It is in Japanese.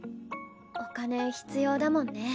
お金必要だもんね。